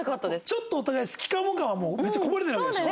ちょっとお互い好きかも感はめっちゃこぼれてるわけでしょ？